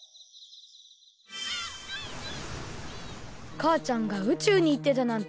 かあちゃんが宇宙にいってたなんて。